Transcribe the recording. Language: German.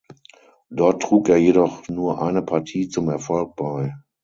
Dort trug er jedoch nur eine Partie zum Erfolg bei.